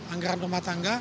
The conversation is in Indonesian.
anggaran rumah tangga